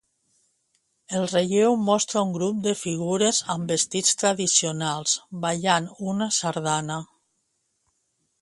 El relleu mostra un grup de figures amb vestits tradicionals ballant una sardana.